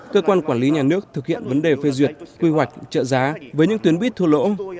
cơ quan quản lý nhà nước thực hiện vấn đề phê duyệt quy hoạch trợ giá với những tuyến buýt thu lỗ